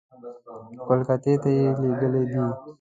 کلکتې ته یې لېږلي دي.